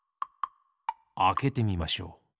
あけてみましょう。